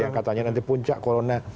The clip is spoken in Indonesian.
yang katanya nanti puncak corona